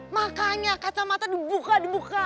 makanya kacamata dibuka dibuka